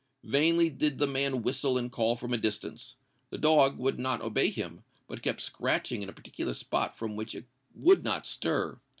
Vainly did the man whistle and call from a distance: the dog would not obey him, but kept scratching in a particular spot from which it would not stir.